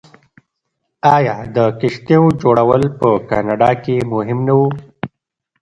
آیا د کښتیو جوړول په کاناډا کې مهم نه و؟